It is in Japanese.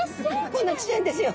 こんなちっちゃいんですよ。